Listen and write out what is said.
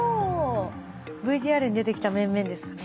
ＶＴＲに出てきた面々ですかね。